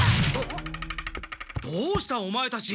どうしたオマエたち！？